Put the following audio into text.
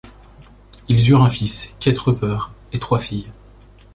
Ils eurent un fils, Keith Rupert et trois filles.